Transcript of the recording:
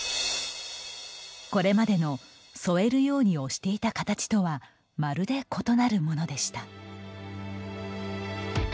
これまでの添えるように押していた形とはまるで異なるものでした。